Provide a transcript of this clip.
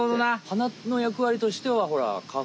花の役わりとしてはほらか